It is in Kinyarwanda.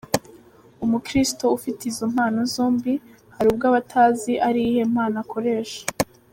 Umukiristo ufite izo mpano zombi, hari ubwo aba atazi ari iyihe mpano akoresha.